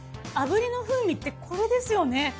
炙りの風味ってこれですよね